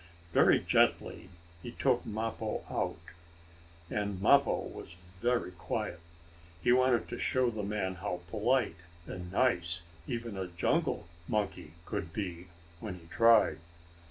Very gently he took Mappo out, and Mappo was very quiet. He wanted to show the man how polite and nice even a jungle monkey could be, when he tried.